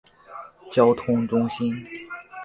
交通中心。